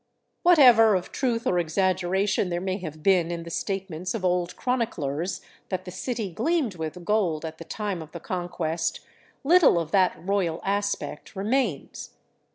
Whatever of truth or exaggeration there may have been in the statements of old chroniclers that the city gleamed with gold at the time of the Conquest, little of that royal aspect remains.